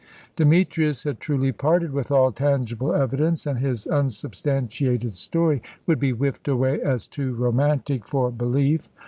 Demetrius had truly parted with all tangible evidence, and his unsubstantiated story would be whiffed away as too romantic for belief.